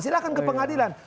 silahkan ke pengadilan